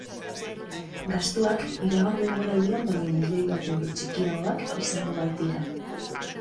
Gastuak iragan denboraldian baino milioi bat euro txikiagoak izango baitira.